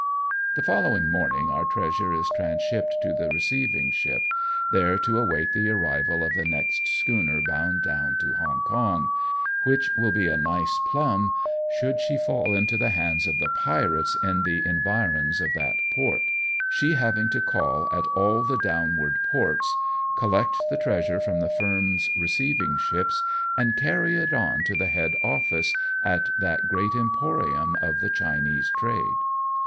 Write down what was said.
The following morning our treasure is transhipped to the receiving ship, there to await the arrival of the next schooner bound down to Hong Kong — which will be a nice plum should she fall into the hands of the pirates in the environs of that port — she having to call at all the downward ports, collect the treasure from the firm's receiving ships and carry it on to the head office at that great emporium of the Chinese trade.